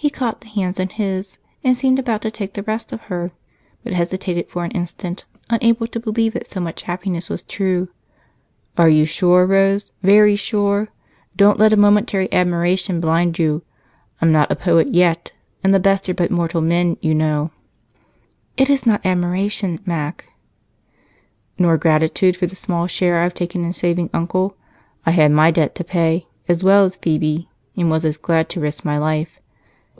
He caught her hands in his and seemed about to take the rest of her, but hesitated for an instant, unable to believe that so much happiness was true. "Are you sure, Rose very sure? Don't let a momentary admiration blind you I'm not a poet yet, and the best are but mortal men, you know." "It is not admiration, Mac." "Nor gratitude for the small share I've taken in saving Uncle? I had my debt to pay, as well as Phebe, and was as glad to risk my life."